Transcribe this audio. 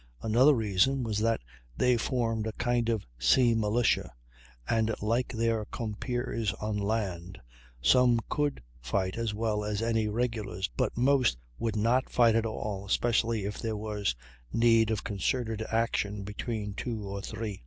Another reason was that they formed a kind of sea militia, and, like their compeers on land, some could fight as well as any regulars, while most would not fight at all, especially if there was need of concerted action between two or three.